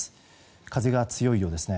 風が強いようですね。